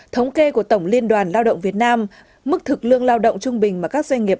thống kê của tổng liên đoàn lao động việt nam mức thực lương lao động trung bình mà các doanh nghiệp